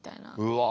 うわ。